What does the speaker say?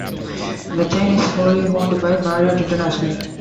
The chain is wholly owned by Marriott International.